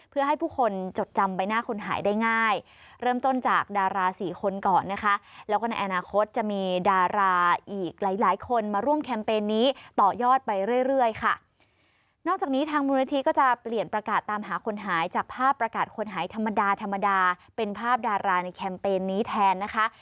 เรื่อยค่ะนอกจากนี้ทางมูลนาทีก็จะเปลี่ยนประกาศตามหาคนหายจากภาพประกาศคนหายธรรมดาธรรมดาเป็นภาพดาราในแคมเปญนี้แทนนะคะ